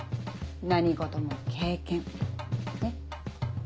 何事も経験ねっ。